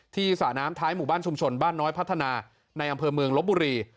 สระน้ำท้ายหมู่บ้านชุมชนบ้านน้อยพัฒนาในอำเภอเมืองลบบุรี